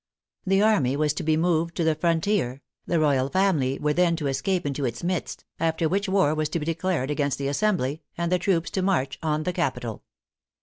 The army was to be moved to the frontier, the royal family were then to escape into its midst, after which war was to be declared against the Assembly, and the troops to march on the capital.